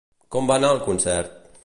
Com va anar el concert?